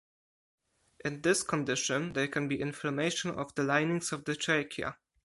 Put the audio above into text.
In this condition there can be inflammation of the linings of the trachea.